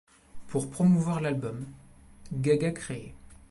Pour promouvoir l’album, Gaga crée '.